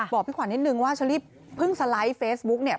พี่ขวัญนิดนึงว่าเชอรี่เพิ่งสไลด์เฟซบุ๊กเนี่ย